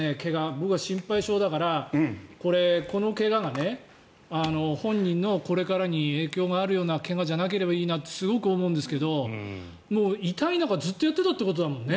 僕は心配性だからこれ、この怪我が本人のこれからに影響があるような怪我じゃなければいいなってすごく思うんですけど痛い中、ずっとやってたってことだもんね。